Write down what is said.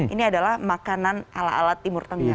ini adalah makanan ala ala timur tengah